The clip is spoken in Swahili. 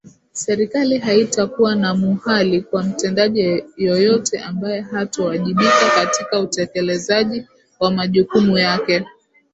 Serikali haitakuwa na muhali kwa mtendaji yoyote ambae hatowajibika katika utekelezaji wa majukumu yake